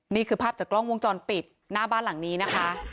นี่คือภาพจากกล้องวงจรปิดหน้าบ้านหลังนี้นะคะ